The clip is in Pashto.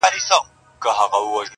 نه مو آرام نه شین اسمان ولیدی -